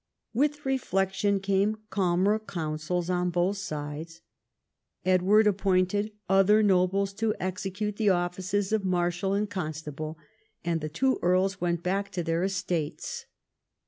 With reflection came calmer councils on both sides. Edward appointed other nobles to execute the oflSces of Marshal and Constable, and the two earls went back to their estates.